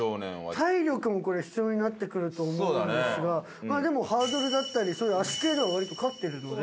体力もこれ必要になってくると思うんですがまあでもハードルだったりそういう脚系では割と勝ってるので。